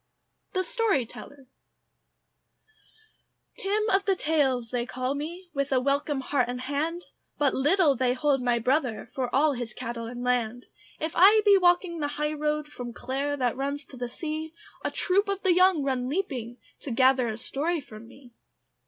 THE STORYTELLER Tim of the Tales they call me, With a welcome heart and hand; But little they hold my brother For all his cattle and land. If I be walking the high road From Clare that goes to the sea, A troop of the young run leaping To gather a story from me.